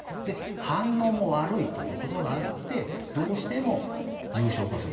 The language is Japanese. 反応も悪いということがあってどうしても重症化する。